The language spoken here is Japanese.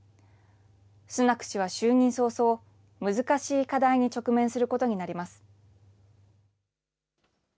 スナク氏は就任早々、難しい課題に直面することになります。